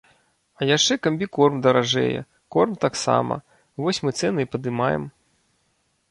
А яшчэ камбікорм даражэе, корм таксама, вось мы цэны і падымаем.